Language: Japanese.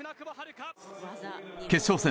決勝戦。